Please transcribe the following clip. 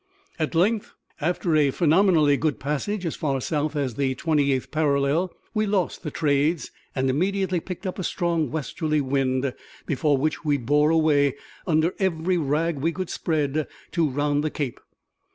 At length, after a phenomenally good passage as far south as the twenty eighth parallel, we lost the trades, and immediately picked up a strong westerly wind, before which we bore away, under every rag we could spread, to round the Cape.